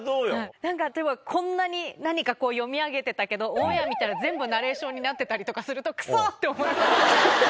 なんか、例えばこんなに何か読み上げてたけど、オンエア見たら全部ナレーションになってたりとかすると、くそって思います。